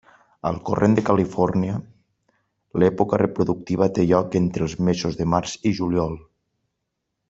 Al corrent de Califòrnia, l'època reproductiva té lloc entre els mesos de març i juliol.